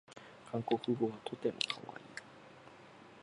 韓国語はとてもかわいい